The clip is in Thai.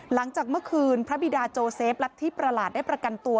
หลังจากเมื่อคืนพระบิดาโจเซฟรัฐธิประหลาดได้ประกันตัว